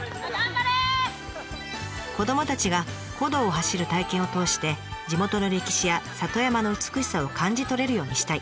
「子どもたちが古道を走る体験を通して地元の歴史や里山の美しさを感じ取れるようにしたい」。